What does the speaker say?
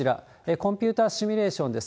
コンピューターシミュレーションです。